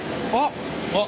あっ。